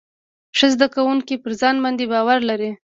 ښه زده کوونکي پر ځان باندې باور لري.